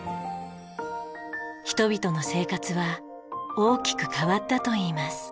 人々の生活は大きく変わったといいます。